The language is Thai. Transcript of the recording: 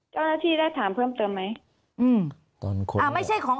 จ้าหน้าที่ได้ถามเพิ่มเติมไหม